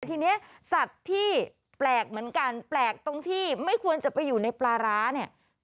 ทีนี้สัตว์ที่แปลกเหมือนกันแปลกตรงที่ไม่ควรจะไปอยู่ในปลาร้าเนี่ย